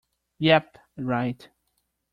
Yep, right!